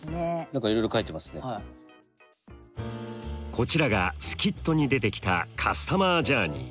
こちらがスキットに出てきたカスタマージャーニー。